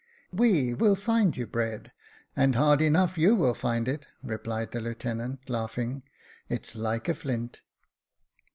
"We will find you bread, and hard enough you will find it," replied the lieutenant, laughing; "it's like a flint."